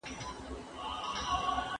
انجینري پوهنځۍ په ناقانونه توګه نه جوړیږي.